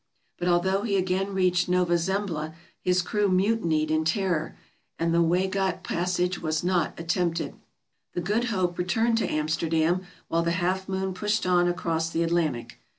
But although he again reached Nova Zembla his crew mutinied in terror, and the Waigat passage was not attempted. The "Good Hope" returned to Amsterdam while the "Half Moon" pushed on across the Atlantic.